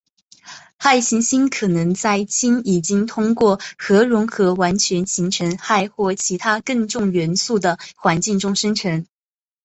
氦行星可能在氢已经通过核融合完全形成氦或其它更重元素的环境中生成。